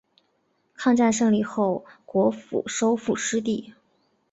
抗战胜利后国府收复失地。